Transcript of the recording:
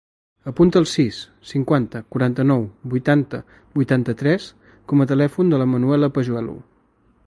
Apunta el sis, cinquanta, quaranta-nou, vuitanta, vuitanta-tres com a telèfon de la Manuela Pajuelo.